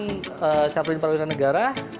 timun syafrudin pradana negara